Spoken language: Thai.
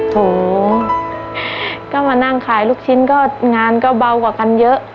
โถก็มานั่งขายลูกชิ้นก็งานก็เบากว่ากันเยอะ